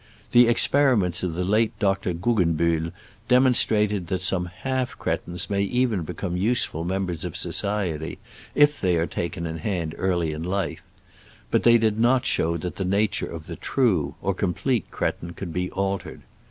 The experi ments of the late Dr. Guggenbiihl de monstrated that some ^a^ cretins may even become useful members of society if they are taken in hand early in life, but they did not show that the nature of the true or complete cretin could be altered.